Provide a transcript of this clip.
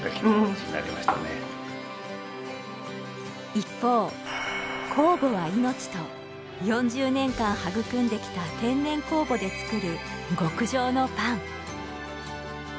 一方「酵母は命」と４０年間育んできた天然酵母で作る極上のパン。